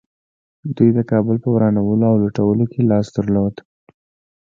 دوی د کابل په ورانولو او لوټولو کې لاس درلود